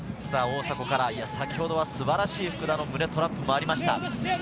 先ほどは素晴らしい福田の胸トラップがありました。